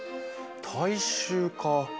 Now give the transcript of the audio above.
大衆化か。